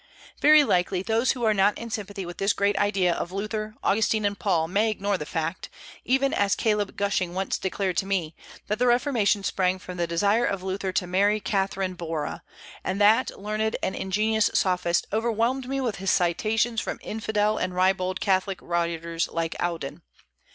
Very likely those who are not in sympathy with this great idea of Luther, Augustine, and Paul may ignore the fact, even as Caleb Gushing once declared to me, that the Reformation sprang from the desire of Luther to marry Catherine Bora; and that learned and ingenious sophist overwhelmed me with his citations from infidel and ribald Catholic writers like Audin.